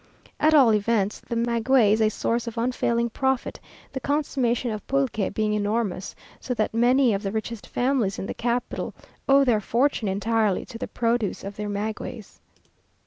At all events, the maguey is a source of unfailing profit, the consumption of pulque being enormous, so that many of the richest families in the capital owe their fortune entirely to the produce of their magueys.